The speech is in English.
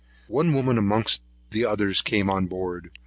One woman amongst many others came on board.